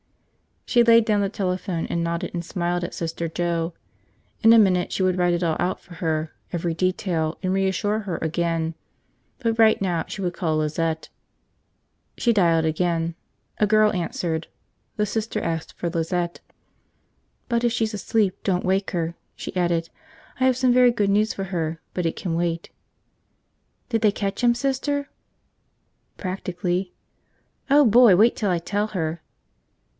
She laid down the telephone and nodded and smiled at Sister Joe. In a minute she would write it all out for her, every detail, and reassure her again. But right now she would call Lizette. She dialed again. A girl answered. The Sister asked for Lizette. "But if she's asleep, don't wake her," she added. "I have some very good news for her, but it can wait." "Did they catch him, Sister?" "Practically." "Oh, boy, wait till I tell her!"